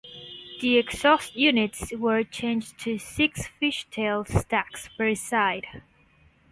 The exhaust units were changed to six "fishtail" stacks per side.